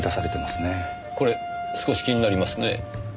これ少し気になりますね。